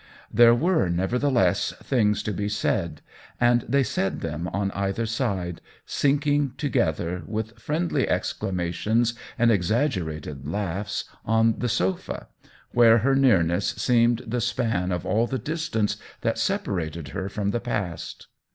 There were, never theless, things to be said, and they said them on either side, sinking together, with friend ly exclamations and exaggerated laughs, on TH^ WHEEL OF TIME 59 the sofa, where her nearness seemed the span of all the distance that separated her from the past.